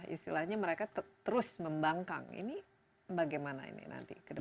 istilahnya mereka terus membangkang ini bagaimana ini nanti kedepannya